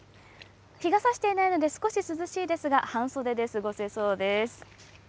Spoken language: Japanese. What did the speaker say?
日がさしていないので、少し涼しいですが、半袖で過ごせそうです。